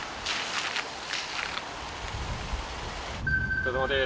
お疲れさまです。